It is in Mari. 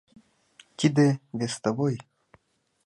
Тиде — вестовой.